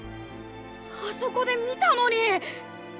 あそこで見たのに。